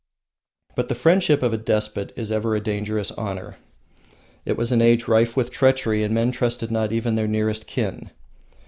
But the friendship of a despot is ever a dangerous honour. It was an age rife with treachery, and men trusted not even their nearest kin.